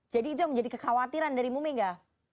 jadi itu yang menjadi kekhawatiran dari ibu mega